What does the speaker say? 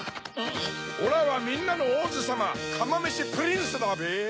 オラはみんなのおうじさまかまめしプリンスだべ！